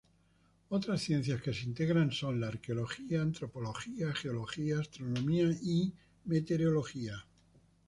Otras ciencias que se integran son la Arqueología, Antropología, Geología, Astronomía y Meteorología.